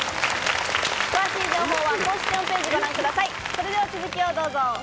詳しい商品情報は公式ホームページをご覧ください。